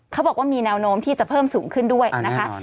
เขาบอกว่ามีแนวโน้มที่จะเพิ่มสูงขึ้นด้วยนะคะ